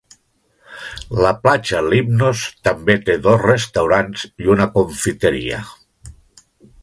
La platja Limnos també té dos restaurants i una confiteria.